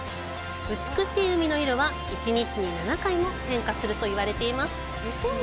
美しい海の色は、１日に７回も変化するといわれています。